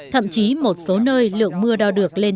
thậm chí một số nơi lượng mưa đo được lên